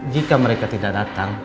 jika mereka tidak datang